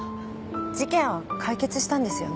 事件は解決したんですよね？